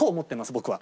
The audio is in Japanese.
僕は。